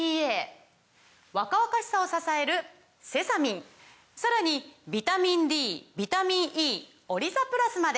若々しさを支えるセサミンさらにビタミンＤビタミンＥオリザプラスまで！